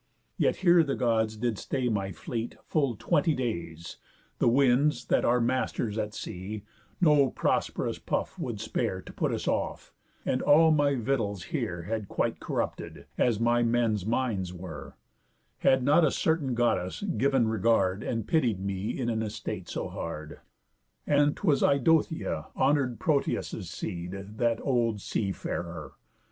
Yet here the Gods did stay My fleet full twenty days; the winds, that are Masters at sea, no prosp'rous puff would spare To put us off; and all my victuals here Had quite corrupted, as my men's minds were, Had not a certain Goddess giv'n regard, And pitied me in an estate so hard; And 'twas Idothea, honour'd Proteus' seed, That old sea farer.